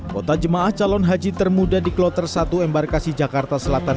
kota jemaah calon haji termuda di kloter satu embarkasi jakarta selatan